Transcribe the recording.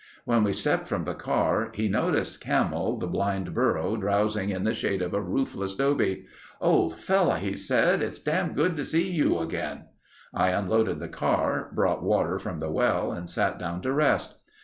When we stepped from the car, he noticed Camel, the blind burro drowsing in the shade of a roofless dobe. "Old fellow," he said, "it's dam' good to see you again...." I unloaded the car, brought water from the well and sat down to rest.